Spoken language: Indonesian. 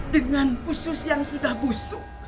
dengan usus yang sudah busuk